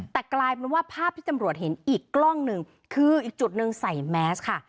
แต่กลายเป็นว่าภาพที่ตำรวจเห็นอีกกล้องหนึ่งคืออีกจุดหนึ่งใส่แมสค่ะ